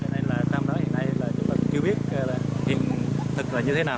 nên là năm đó hiện nay là chúng ta cũng chưa biết là hiện thực là như thế nào